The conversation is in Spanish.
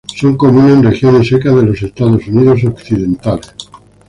Son comunes en regiones secas de los Estados Unidos occidentales.